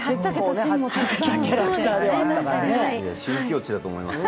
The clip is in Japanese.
新境地だと思いますよ。